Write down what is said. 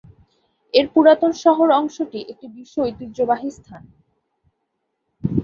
এর পুরাতন শহর অংশটি একটি বিশ্ব ঐতিহ্যবাহী স্থান।